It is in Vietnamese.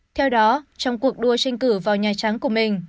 theo đó trong cuộc đua tranh cử vào nhà trắng của mình